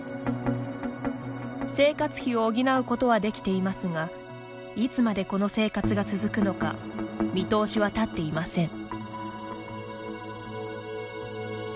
生活費を補うことはできていますがいつまでこの生活が続くのか見通しは立っていません。